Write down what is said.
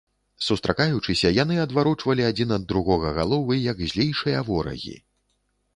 Сустракаючыся, яны адварочвалі адзін ад другога галовы, як злейшыя ворагі.